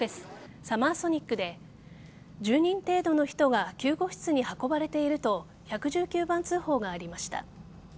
ＳＵＭＭＥＲＳＯＮＩＣで１０人程度の人が救護室に運ばれていると１１９番通報がありました。